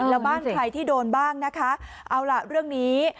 แล้วบ้านใครที่โดนบ้างนะคะเอาล่ะเรื่องนี้